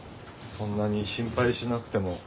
そんなに心配しなくても。